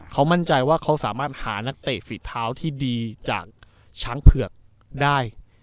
เขามั่นใจว่าเขาสามารถหานักเตะฝีเท้าที่ดีจากช้างเผือกได้